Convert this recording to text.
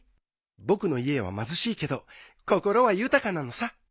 僕の家は貧しいけど心は豊かなのさ。